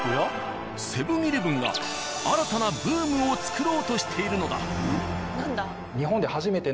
セブン−イレブンが新たなブームを作ろうとしているのだ。